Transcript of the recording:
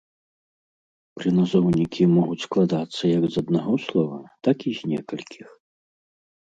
Прыназоўнікі могуць складацца як з аднаго слова, так і з некалькіх.